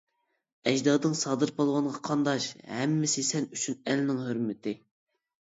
ئەجدادىڭ سادىر پالۋانغا قانداش، ھەممىسى سەن ئۈچۈن ئەلنىڭ ھۆرمىتى.